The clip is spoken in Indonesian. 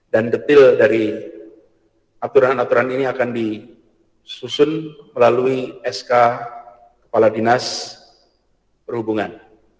dan detil dari aturan aturan ini akan disusun melalui sk kepala dinas perhubungan